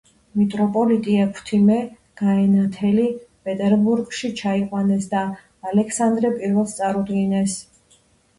მიტროპოლიტი ექვთიმე გაენათელი პეტერბურგში ჩაიყვანეს და ალექსანდრე პირველს წარუდგინეს.